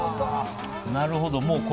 なるほど。